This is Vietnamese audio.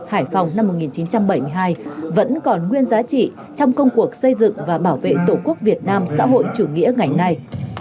hải phòng năm một nghìn chín trăm bảy mươi hai vẫn còn nguyên giá trị trong công cuộc xây dựng và bảo vệ tổ quốc việt nam xã hội chủ nghĩa ngày nay